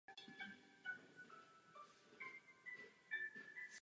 Studiem antiky se zabývají klasická studia.